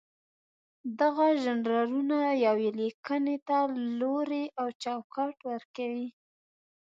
دغه ژانرونه یوې لیکنې ته لوری او چوکاټ ورکوي.